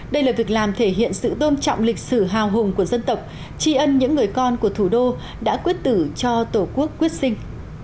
đây là việc làm thể hiện sự tôn trọng lịch sử hào hùng của dân tộc tri ân những người con của thủ đô đã quyết tử cho tổ quốc quyết sinh